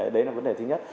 đấy là vấn đề thứ nhất